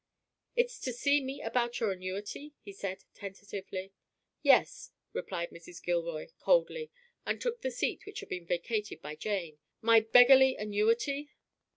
"It's to see me about your annuity?" he said, tentatively. "Yes," replied Mrs. Gilroy, coldly, and took the seat which had been vacated by Jane. "My beggarly annuity?"